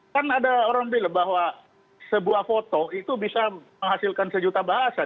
kan ada orang bilang bahwa sebuah foto itu bisa menghasilkan sejuta bahasa